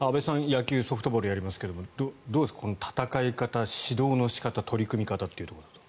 野球、ソフトボールやりますけどどうですか、この戦い方指導の仕方、取り組み方。